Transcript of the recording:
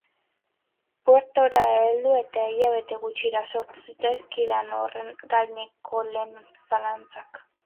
Puertora heldu eta hilabete gutxira sortu zitzaizkidaan horren gaineko lehen zalantzak.